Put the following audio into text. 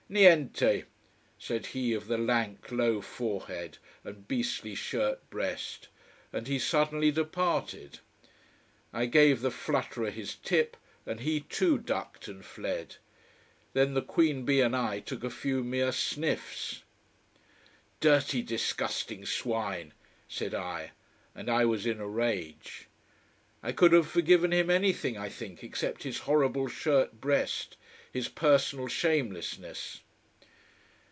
"Niente," said he of the lank, low forehead and beastly shirt breast. And he sullenly departed. I gave the flutterer his tip and he too ducked and fled. Then the queen bee and I took a few mere sniffs. "Dirty, disgusting swine!" said I, and I was in a rage. I could have forgiven him anything, I think, except his horrible shirt breast, his personal shamelessness.